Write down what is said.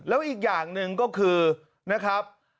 แล้วอีกอย่างหนึ่งก็คือนะครับ